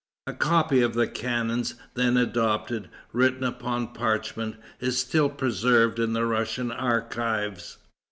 A copy of the canons then adopted, written upon parchment, is still preserved in the Russian archives.